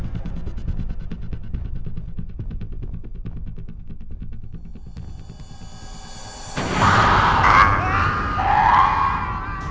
พายเป็นอะไรวะเนี่ย